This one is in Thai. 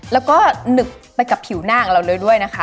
แล้วก็หนึบไปกับผิวหน้าของเราเลยด้วยนะคะ